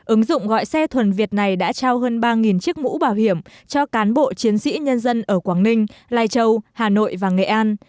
ứng dụng gọi xe thuần việt này đã trao hơn ba chiếc mũ bảo hiểm cho cán bộ chiến sĩ nhân dân ở quảng ninh lai châu hà nội và nghệ an